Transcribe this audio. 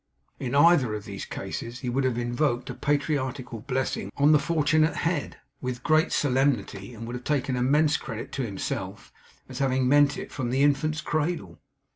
In either of these cases he would have invoked a patriarchal blessing on the fortunate head, with great solemnity, and would have taken immense credit to himself, as having meant it from the infant's cradle.